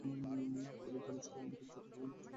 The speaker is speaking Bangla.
তখন ইন্টারনেট ছিল না, বিটিভি ছাড়া তেমন টিভি চ্যানেল ছিল না।